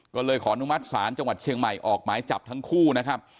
ก็เลยขออนุมัติศาลจังหวัดเชียงใหม่ออกหมายจับทั้งคู่นะครับ